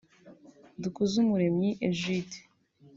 Dukuzumuremyi Egide